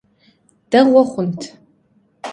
Değue xhunt.